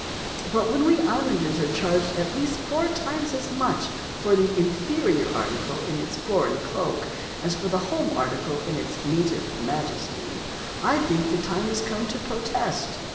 But when we islanders are charged at least four times as much for the inferior article, in its foreign cloak, as for the home article in its native majesty, I think the time has come to protest.